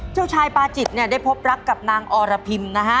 เจ้าชายปาจิตเนี่ยได้พบรักกับนางอรพิมนะฮะ